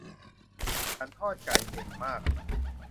ฉันทอดไก่เก่งมาก